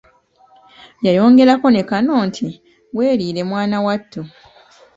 Yayongerako ne kano nti, weeriire mwana wattu!